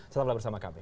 tetaplah bersama kami